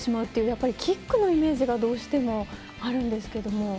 やっぱりキックのイメージがどうしてもあるんですけど。